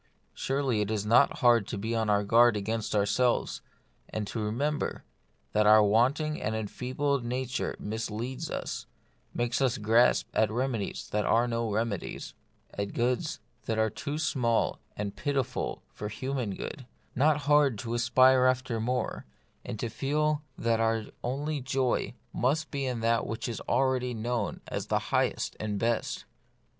Surely it is not hard to be on our guard against ourselves, and to remember that our wanting and enfeebled nature misleads us, makes us grasp at reme dies that are no remedies, at goods that are too small and pitiful for human good ;— not hard to aspire after more, and feel that our 6 j8 The Mystery of Pain. only joy must be in that which we already know as the highest and the best.